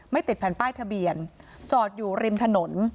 ติดแผ่นป้ายทะเบียนจอดอยู่ริมถนน